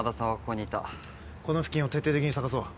この付近を徹底的に捜そう。